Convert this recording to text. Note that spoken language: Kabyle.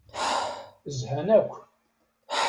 Zhan akk.